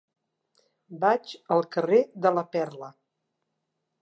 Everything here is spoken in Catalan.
Vaig al carrer de la Perla.